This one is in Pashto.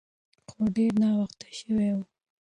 خو ډیر ناوخته شوی و.